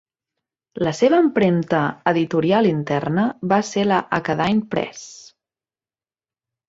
La seva empremta editorial interna va ser la Akadine Press.